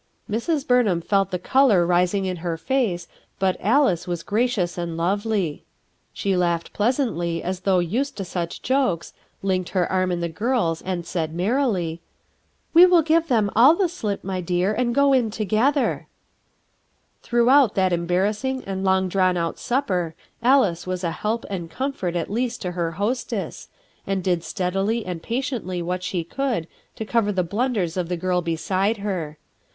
. Mrs. Bumhamfelt the color rising in her face, but Alice was gracious and lovely. She laughed pleasantly as though used to such jokes, linked her arm in the girl's, and said merrily: — "We will give them all the slip, my dear, and go in together," Throughout that embarrassing and long drawn out dinner Alice was a help and comfort at least to her hostess, and did steadily and patiently what she could to cover the blunders W u We wnx orvK tkbm all u\k blip, mr dear," — Fao< M. 02 RUTH ERSKINE'S SON of (he girl beside her.